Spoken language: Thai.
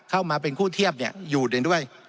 เข้ามาเป็นคู่เทียบอยู่ได้ด้วย